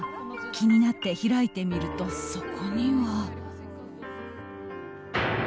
気になって開いてみるとそこには。